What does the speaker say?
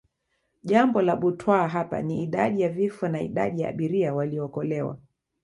Jambo la butwaa hapa ni Idadi ya vifo na idadi ya abiria waliookolewa